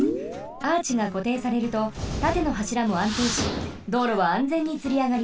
アーチがこていされるとたてのはしらもあんていし道路はあんぜんにつりあがります。